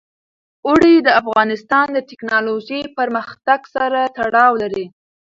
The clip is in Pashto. اوړي د افغانستان د تکنالوژۍ پرمختګ سره تړاو لري.